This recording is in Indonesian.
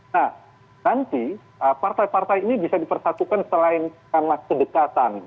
nah nanti partai partai ini bisa dipersatukan selain karena kedekatan